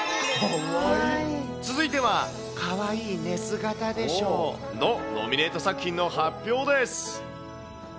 続いては、かわいい寝姿で賞のノミネート作品の発表です。